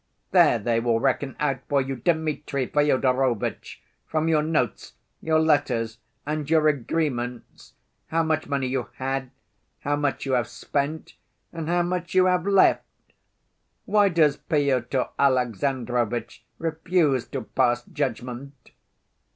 There they will reckon out for you, Dmitri Fyodorovitch, from your notes, your letters, and your agreements, how much money you had, how much you have spent, and how much you have left. Why does Pyotr Alexandrovitch refuse to pass judgment?